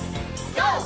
ＧＯ！